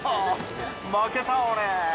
負けた、俺。